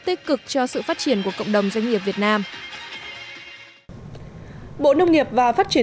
tích cực cho sự phát triển của cộng đồng doanh nghiệp việt nam bộ nông nghiệp và phát triển